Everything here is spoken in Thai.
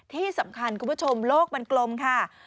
ที่สำคัญคุณผู้ชมโลกมันกลมค่ะ